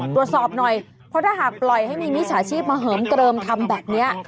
ตรวจสอบหน่อยเพราะถ้าหากปล่อยให้มีมิจฉาชีพมาเหิมเกลิมทำแบบนี้